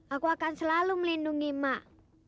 aku akan selalu melindungi mak